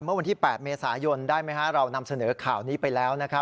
เมื่อวันที่๘เมษายนได้ไหมเรานำเสนอข่าวนี้ไปแล้ว